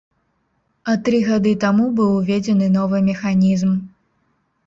А тры гады таму быў уведзены новы механізм.